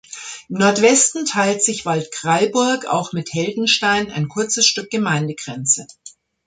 Im Nordwesten teilt sich Waldkraiburg auch mit Heldenstein ein kurzes Stück Gemeindegrenze.